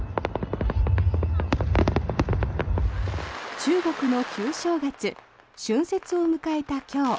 中国の旧正月春節を迎えた今日。